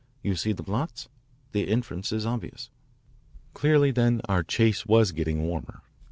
You see the blots? The inference is obvious." Clearly, then, our chase was getting warmer.